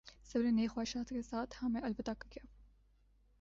سب نے نیک خواہشات کے ساتھ ہمیں الوداع کیا